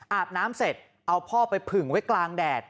อาบน้ำเสร็จเอาพ่อไปผึ่งไว้กลางแดด